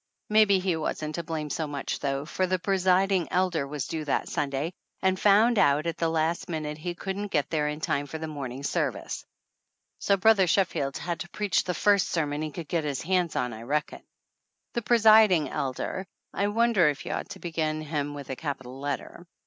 Maybe he wasn't to blame so much, though, for the presiding lder was due that Sunday and found out at the last minute he couldn't get there in time for the morning service; so Brother Sheffield had to preach the first sermon he could get his hands 254. THE ANNALS OF ANN on, I reckon. The presiding elder (I "wonder if you ought to begin him with a capital letter?